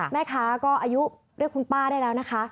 แม่ค้าก็อายุเรียกคุณป้าได้แล้วนะคะ